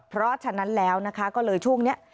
เพราะฉะนั้นแล้วนะคะก็เลยช่วงนี้